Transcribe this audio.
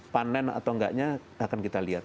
panen atau enggaknya akan kita lihat